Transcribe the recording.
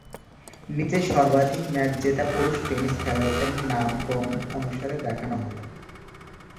নিচে সর্বাধিক ম্যাচ জেতা পুরুষ টেনিস খেলোয়াড়দের নাম ক্রম অনুসারে দেখানো হলঃ